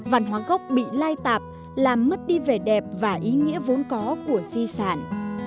văn hóa gốc bị lai tạp làm mất đi vẻ đẹp và ý nghĩa vốn có của di sản